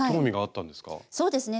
そうですね。